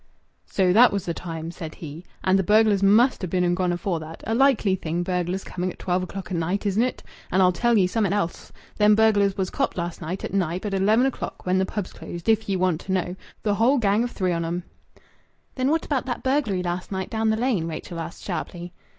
"So that was the time," said he. "And th' burglars must ha' been and gone afore that. A likely thing burglars coming at twelve o'clock at night, isn't it? And I'll tell ye summat else. Them burglars was copped last night at Knype at eleven o'clock when th' pubs closed, if ye want to know the whole gang of three on 'em." "Then what about that burglary last night down the Lane?" Rachel asked sharply.